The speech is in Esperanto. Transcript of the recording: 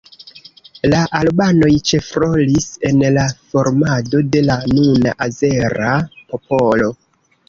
La albanoj ĉefrolis en la formado de la nuna azera popolo.